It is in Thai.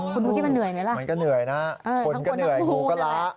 คุณเมื่อกี้มันเหนื่อยไหมล่ะมันก็เหนื่อยนะคนก็เหนื่อยงูก็ล้า